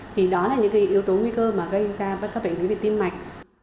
thì đó là những cái yếu tố nguy cơ mà gây ra bất cấp bệnh lý về tim mạch